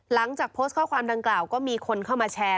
หลังจากโพสต์ข้อความดังกล่าวก็มีคนเข้ามาแชร์